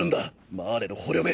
マーレの捕虜め！！